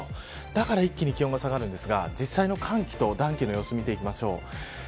だから一気に気温が下がるんですが実際の寒気と暖気の様子見ていきます。